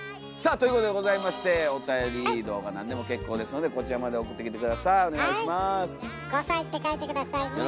さあということでございましておたより動画何でも結構ですのでこちらまで送ってきて下さい。